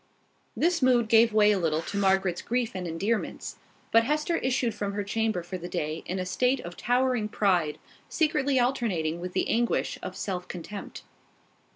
This mood gave way a little to Margaret's grief and endearments; but Hester issued from her chamber for the day in a state of towering pride, secretly alternating with the anguish of self contempt.